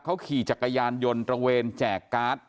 เขาขี่จักรยานยนต์ตระเวนแจกการ์ด